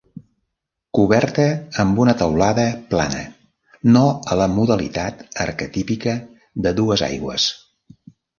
Coberta amb una teulada plana, no a la modalitat arquetípica de dues aigües.